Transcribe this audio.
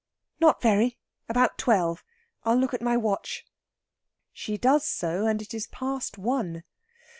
"Not very. About twelve. I'll look at my watch." She does so, and it is past one.